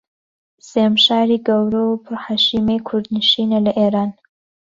سێھەم شاری گەورە و پر حەشیمەی کوردنشینە لە ئیران